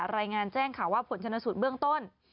รายงานแจ้งข่าวว่าผลชนสูตรเบื้องต้น